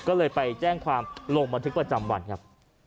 ก็เลยไปแจ้งความลงบันทึกประจำวันครับ